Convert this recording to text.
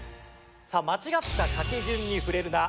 さあ間違った書き順にふれるな！